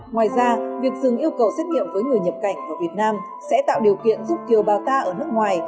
ngoài ra việc dừng yêu cầu xét nghiệm với người nhập cảnh vào việt nam sẽ tạo điều kiện giúp kiều bào ta ở nước ngoài